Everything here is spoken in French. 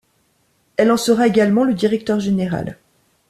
Elle en sera également le directeur général.